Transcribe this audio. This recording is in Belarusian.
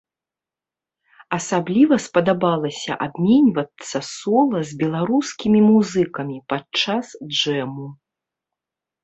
Асабліва спадабалася абменьвацца сола з беларускімі музыкамі падчас джэму.